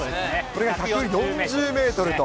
これが１４０メートルと。